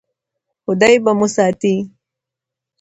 خدای به مو وساتي.